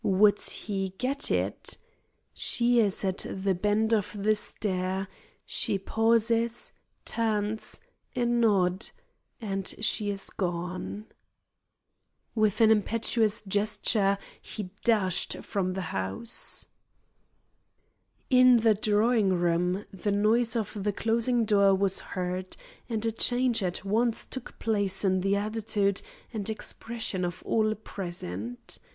Would he get it? She is at the bend of the stair; she pauses turns, a nod, and she is gone. With an impetuous gesture, he dashed from the house. In the drawing room the noise of the closing door was heard, and a change at once took place in the attitude and expression of all present.